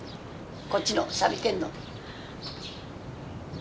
こっちの錆びてんの。